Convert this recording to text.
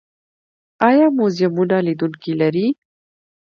آیا موزیمونه لیدونکي لري؟